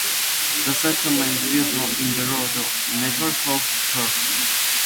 The settlement is built in the road network of Kherson.